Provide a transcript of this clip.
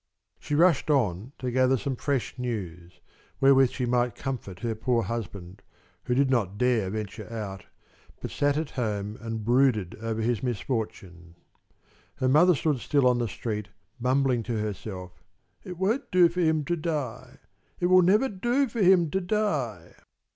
She rushed on to gather some fresh news, wherewith she might comfort her poor husband, who did not dare venture out, but sat at home and brooded over his misfortune. Her mother stood still on the street, mumbling to herself: "It won't do for him to die. It will never do for him to die!"